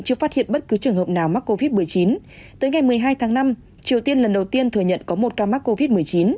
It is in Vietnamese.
chưa phát hiện bất cứ trường hợp nào mắc covid một mươi chín tới ngày một mươi hai tháng năm triều tiên lần đầu tiên thừa nhận có một ca mắc covid một mươi chín